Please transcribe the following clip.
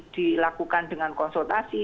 dilakukan dengan konsultasi